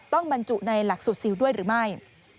ต้องบรรจุในหลักศูนย์ซิลด้วยหรือไม่